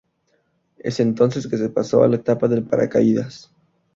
Es entonces que se pasó a la etapa del paracaídas.